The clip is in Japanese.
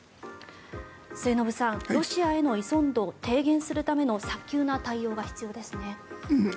末延さん、ロシアへの依存度を低減するための早急な対応が必要ですね。